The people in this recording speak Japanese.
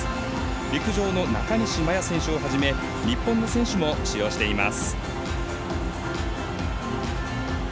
陸上の中西麻耶選手をはじめ日本選手も使用しています。